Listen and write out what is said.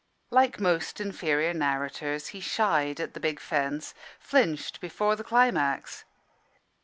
Like most inferior narrators, he shied at the big fence, flinched before the climax.